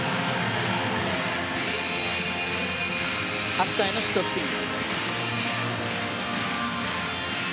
足換えのシットスピン。